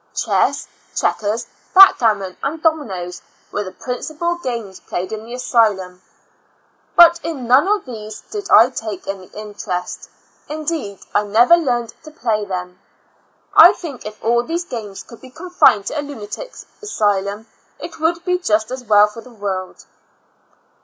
Chess, checkers, backgammon and domi noes, were the principal games played in 86 ^»^^o YexIrs and Four Months the asylum, but in none of these did I take any interest; indeed, I never learned to play them. I think if all these games could be confined to lunatic asylums it would be just as well for the world.